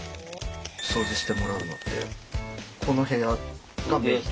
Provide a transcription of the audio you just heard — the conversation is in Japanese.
掃除してもらうのってこの部屋がメイン？